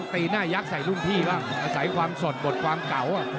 ตีหน้ายักษ์ใส่รุ่นพี่บ้างอาศัยความสดบทความเก่า